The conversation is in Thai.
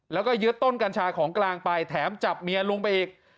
แล้วก็ยึดต้นกัญชาของกลางไปแถมจับเมียลุงไปอีก